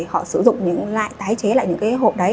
họ sử dụng những loại tái chế lại những cái hộp đấy